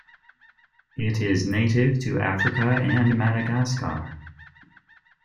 It is native to Africa and Madagascar.